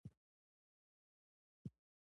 ویې کېکاږه، هغې پر ځان باندې پوړنی را کش کړ.